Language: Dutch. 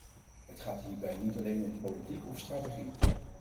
Het gaat hierbij niet alleen om politiek of strategie.